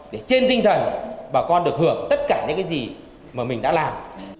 để trên tinh thần bà con được hưởng tất cả những cái gì mà mình đã làm